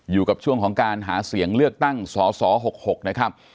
อยู่กับช่วงของการหาเสียงเลือกตั้งสส๖๖นะครับ